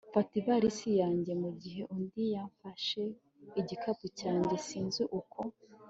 mfata ivalisi yanjye, mu gihe undi yamfashe igikapu cyanjye. sinzi uko